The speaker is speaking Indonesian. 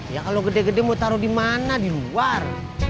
ya kalau gede gede mau taruh di mana di luar